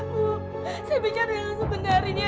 saya bicara yang sebenarnya